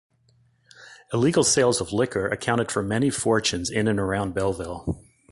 Illegal sales of liquor accounted for many fortunes in and around Belleville.